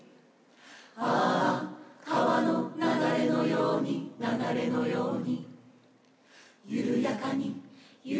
「ああ川の流れのように流れのように」